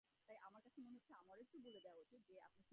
তিনি রাজ্যের কাউন্সিলের প্রথম মহিলা সদস্য হন।